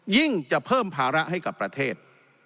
จะเพิ่มภาระให้กับประเทศ